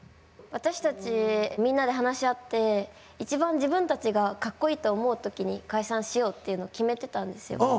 私たちみんなで話し合って一番自分たちがかっこいいと思う時に解散しようっていうの決めてたんですよ。